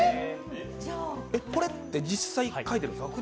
これって実際描いているんですか？